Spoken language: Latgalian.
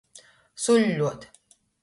Suļļuot.